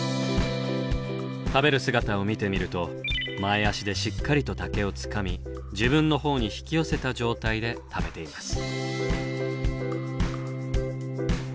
食べる姿を見てみると前足でしっかりと竹をつかみ自分の方に引き寄せた状態で食べています。